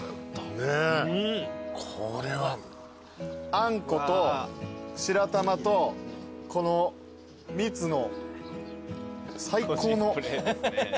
あんこと白玉とこのみつの最高の。